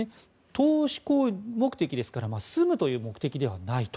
投資目的ですから住むという目的ではないと。